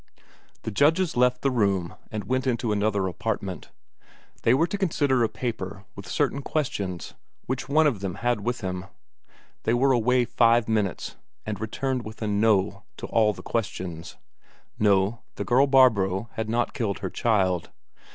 The judges left the room and went into another apartment. They were to consider a paper with certain questions, which one of them had with him. They were away five minutes, and returned with a "No" to all the questions. No, the girl Barbro had not killed her child.